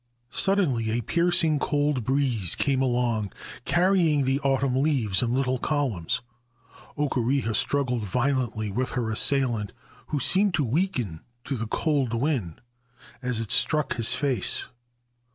Suddenly a piercing cold breeze came along, carrying the autumn leaves in little columns. Okureha struggled violently with her assailant, who seemed to weaken to the cold wind as it struck his face.